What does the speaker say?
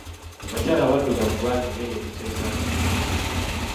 Abakyala abaddugavu bangi beeyerusa ensangi zino.